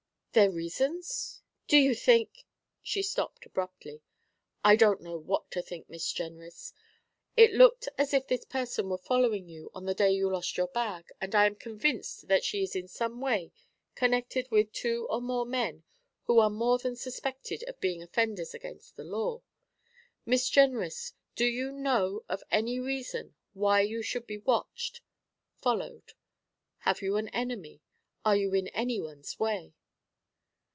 'Their reasons? Do you think ' She stopped abruptly. 'I don't know what to think, Miss Jenrys. It looked as if this person were following you on the day you lost your bag, and I am convinced that she is in some way connected with two or more men who are more than suspected of being offenders against the law. Miss Jenrys, do you know of any reason why you should be watched followed? Have you an enemy? Are you in anyone's way?'